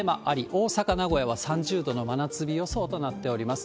大阪、名古屋は３０度の真夏日予想となっております。